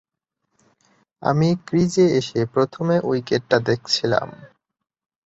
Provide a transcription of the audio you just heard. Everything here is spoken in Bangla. আমি ক্রিজে এসে প্রথমে উইকেটটা দেখছিলাম।